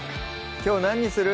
きょう何にする？